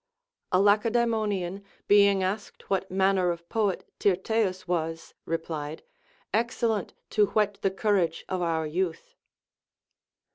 A Lacedae monian, being asked what manner of poet Tyrtaeus was, replied. Excellent to Avhet the courage of our youth.